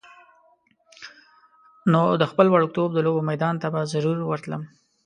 نو د خپل وړکتوب د لوبو میدان ته به ضرور ورتللم.